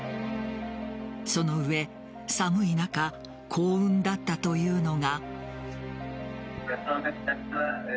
その上寒い中、幸運だったというのが。